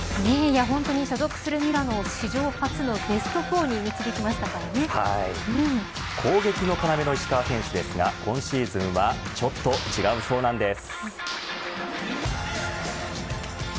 所属するミラノ、史上初のベスト４に導きました攻撃の要の石川選手ですが今シーズンはちょっと違うそうなんです。